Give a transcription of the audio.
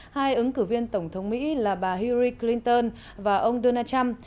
hai ứng cử viên tổng thống mỹ là bà higri clinton và ông donald trump